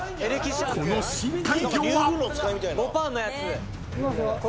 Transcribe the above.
［この深海魚は？］